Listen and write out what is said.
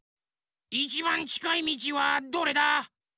いちばんちかいみちはどれだ？